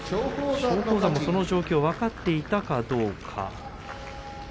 松鳳山もその状況を分かっていたかどうか。